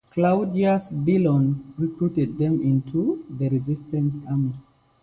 Claudius Billon recruited them into the resistance army.